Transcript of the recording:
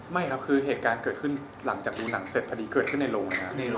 ไม่ครับคือเหตุการณ์เกิดขึ้นหลังจากดูหนังเสร็จพอดีเกิดขึ้นในโรงนะครับ